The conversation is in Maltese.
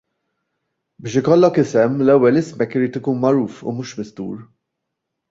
Biex ikollok isem l-ewwel ismek irid ikun magħruf u mhux mistur.